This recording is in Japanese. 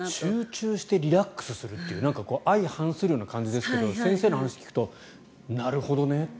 集中してリラックスするという相反する感じですが先生の話を聞くとなるほどねって。